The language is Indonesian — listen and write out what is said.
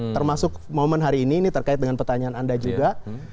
termasuk momen hari ini ini terkait dengan pertanyaan anda juga